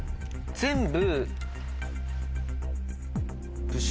全部「○」。